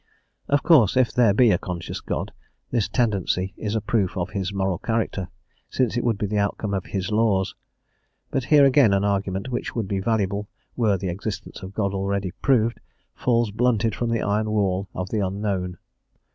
Of course, if there be a conscious God, this tendency is a proof of his moral character, since it would be the outcome of his laws; but here again an argument which would be valuable were the existence of God already proved, falls blunted from the iron wall of the unknown.